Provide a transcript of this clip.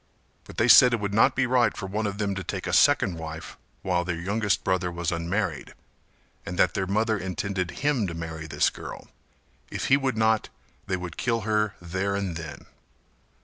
But they said that it would not be right for one of them to take a second wife while their youngest brother was unmarried, and that their mother intended him to marry this girl; if he would not they would kill her there and then.